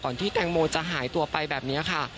ที่แตงโมจะหายตัวไปแบบนี้ค่ะ